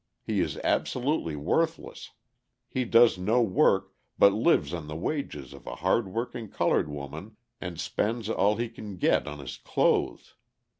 He is absolutely worthless: he does no work, but lives on the wages of a hard working coloured woman and spends all he can get on his clothes.